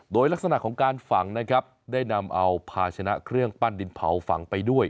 โดยลักษณะของการฝังนะครับได้นำเอาภาชนะเครื่องปั้นดินเผาฝังไปด้วย